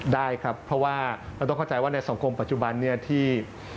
ได้ครับเพราะว่าเราต้องเข้าใจว่าในสังคมปัจจุบันนี้ที่